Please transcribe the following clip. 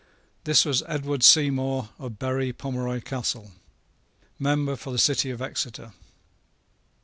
This was Edward Seymour of Berry Pomeroy Castle, member for the city of Exeter.